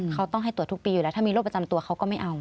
เขาต้องให้ตรวจทุกปีอยู่แล้วถ้ามีโรคประจำตัวเขาก็ไม่เอา